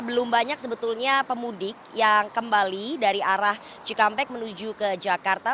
belum banyak sebetulnya pemudik yang kembali dari arah cikampek menuju ke jakarta